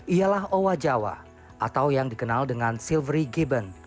ialah owa jawa atau yang dikenal dengan silvery gibbon